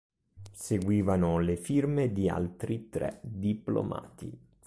Seguivano le firme di altri tre diplomati.